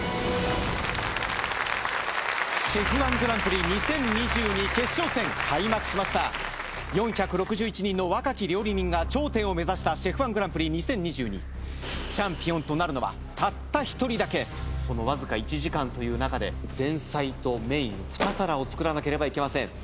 ＣＨＥＦ−１グランプリ２４６１人の若き料理人が頂点を目指したＣＨＥＦ−１グランプリ２０２２チャンピオンとなるのはたった１人だけこのわずか１時間という中で前菜とメイン２皿を作らなければいけません